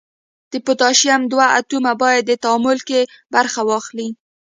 د پوتاشیم دوه اتومه باید په تعامل کې برخه واخلي.